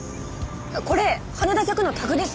これ羽田着のタグです。